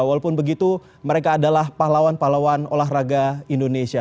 walaupun begitu mereka adalah pahlawan pahlawan olahraga indonesia